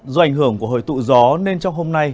do ảnh hưởng của hồi tụ gió nên trong hôm nay